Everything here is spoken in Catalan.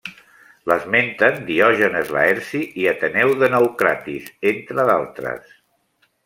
L'esmenten Diògenes Laerci i Ateneu de Naucratis entre d'altres.